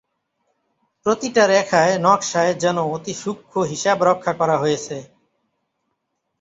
প্রতিটা রেখায়, নকশায় যেন অতি সূক্ষ্ম হিসাব রক্ষা করা হয়েছে।